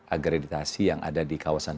agreditasi yang ada di kawasan